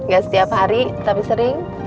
gak setiap hari tapi sering